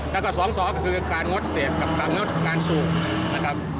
และก็สองสคือการงดเสพกับการงดการสูง